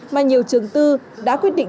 mà nhiều trường tư đã quyết định